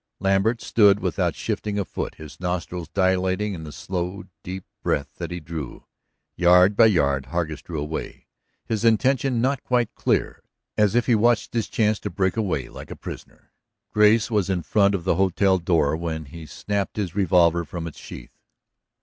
Lambert stood without shifting a foot, his nostrils dilating in the slow, deep breath that he drew. Yard by yard Hargus drew away, his intention not quite clear, as if he watched his chance to break away like a prisoner. Grace was in front of the hotel door when he snapped his revolver from its sheath.